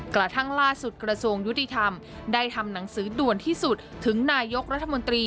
กระทั่งล่าสุดกระทรวงยุติธรรมได้ทำหนังสือด่วนที่สุดถึงนายกรัฐมนตรี